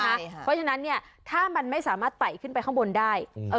เพราะฉะนั้นเนี่ยถ้ามันไม่สามารถไต่ขึ้นไปข้างบนได้